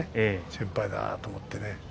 先輩だと思ってね。